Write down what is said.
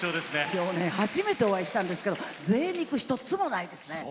今日ね初めてお会いしたんですけどぜい肉１つもないですね。